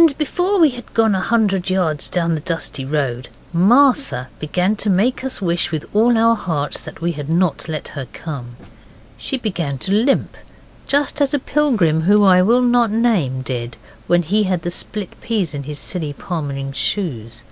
And before we had gone a hundred yards down the dusty road Martha began to make us wish with all our hearts we had not let her come. She began to limp, just as a pilgrim, who I will not name, did when he had the split peas in his silly palmering shoes.